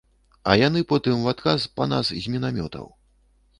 А яны потым у адказ па нас з мінамётаў.